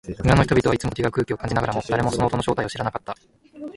村の人々はいつもと違う空気を感じながらも、誰もその音の正体を知らなかった。